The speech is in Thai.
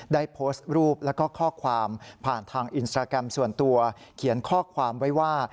ได้โพสต์รูปแล้วก็ข้อความผ่านทางอินสตราแกรมส่วนตัวเขียนข้อความไว้ว่า